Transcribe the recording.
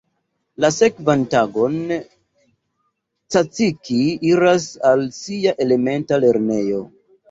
La sekvan tagon Tsatsiki iras al sia elementa lernejo.